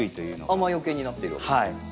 雨よけになっているわけですね。